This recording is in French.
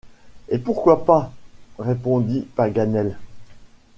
Et pourquoi pas? répondit Paganel.